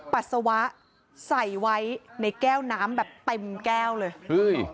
ปัสสาวะใส่ไว้ในแก้วน้ำแบบเต็มแก้วเลยเฮ้ย